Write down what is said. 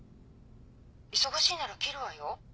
忙しいなら切るわよ。